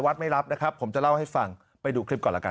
ไม่รับนะครับผมจะเล่าให้ฟังไปดูคลิปก่อนละกัน